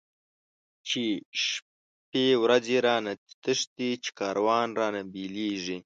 چی شپی ورځی رانه تښتی، چی کاروان رانه بيليږی